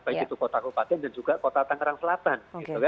baik itu kota kepaten dan juga kota tangerang selatan